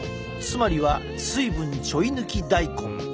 つまりは水分ちょい抜き大根。